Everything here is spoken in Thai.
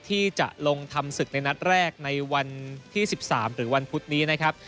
ที่จะลงทำศึกในนัดแรกในวันที่๑๓หรือวันพุธนี้นะครับ